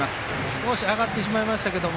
少し上がってしまいましたけど。